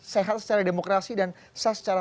sehat secara demokrasi dan sah secara